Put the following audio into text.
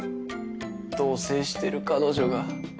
同棲してる彼女が。